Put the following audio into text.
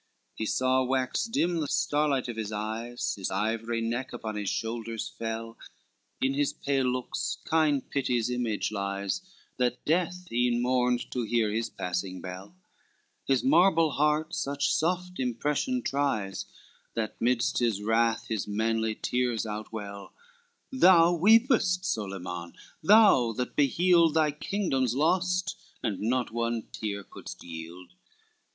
LXXXVI He saw wax dim the starlight of his eyes, His ivory neck upon his shoulders fell, In his pale looks kind pity's image lies, That death even mourned, to hear his passing bell. His marble heart such soft impression tries, That midst his wrath his manly tears outwell, Thou weepest, Solyman, thou that beheld Thy kingdoms lost, and not one tear could yield.